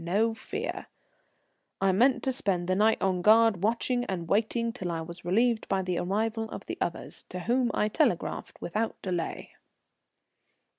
No fear." I meant to spend the night on guard, watching and waiting till I was relieved by the arrival of the others, to whom I telegraphed without delay.